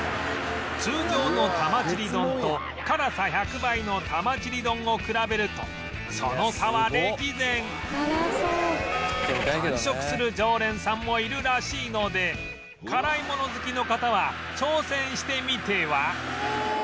通常の玉チリ丼と辛さ１００倍の玉チリ丼を比べるとその差は歴然完食する常連さんもいるらしいので辛いもの好きの方は挑戦してみては？